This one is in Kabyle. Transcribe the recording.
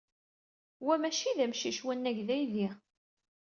Wa maci d amcic wanag d aydi.